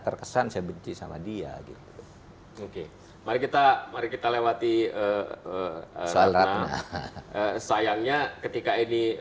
terkesan saya benci sama dia gitu oke mari kita mari kita lewati karena sayangnya ketika ini